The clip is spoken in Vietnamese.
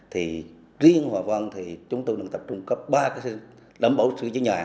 thì riêng hòa vang thì chúng tôi đang tập trung có ba cái lấm bảo sửa chữa nhà